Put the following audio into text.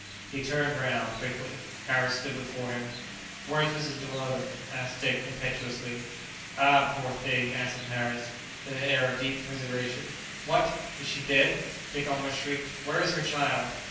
He turned round quickly. Harris stood before him. "Where is Mrs. Weldon?" asked Dick impetuously. "Ah, poor thing!" answered Harris, with an air of deep commiseration. "What! is she dead?" Dick almost shrieked; "where is her child?"